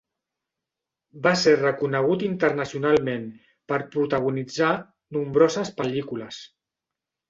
Va ser reconegut internacionalment, per protagonitzar nombroses pel·lícules.